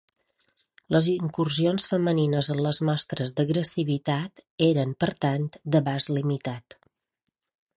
Les incursions femenines en les mostres d'agressivitat eren, per tant, d'abast limitat.